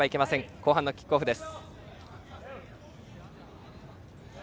後半のキックオフです。